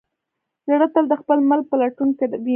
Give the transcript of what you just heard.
زړه تل د خپل مل په لټون کې وي.